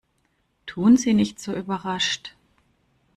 Tun Sie nicht so überrascht!